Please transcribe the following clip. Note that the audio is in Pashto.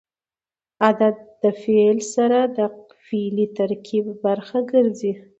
عدد د فعل سره د فعلي ترکیب برخه ګرځي.